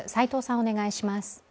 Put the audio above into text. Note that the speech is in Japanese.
お願いします。